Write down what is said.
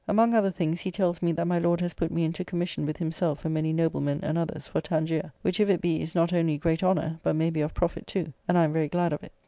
Among other things he tells me that my Lord has put me into Commission with himself and many noblemen and others for Tangier, which, if it be, is not only great honour, but may be of profit too, and I am very glad of it.